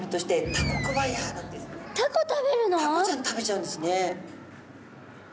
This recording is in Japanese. タコちゃん食べちゃうんですね。